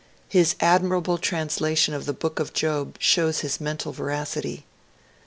His admirable translation of the Book of Job shows his mental veracity.